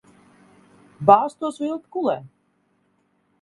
Bāz to svilpi kulē.